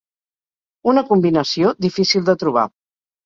Una combinació difícil de trobar.